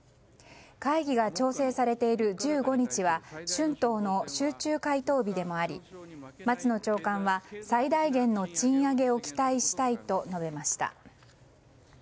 会議が調整されている１５日は春闘の集中回答日でもあり松野長官は最大限の賃上げを期待したいと述べました。